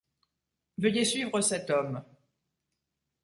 Veuillez suivre cet homme.